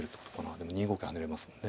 でも２五桂跳ねれますもんね。